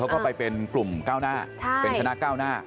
เขาก็ไปเป็นกลุ่มก้าวหน้าเป็นคณะก้าวหน้า